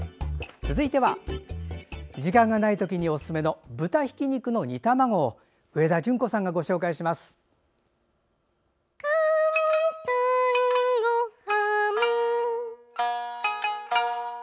続いては時間がない時におすすめの豚ひき肉の煮卵を上田淳子さんがご紹介します。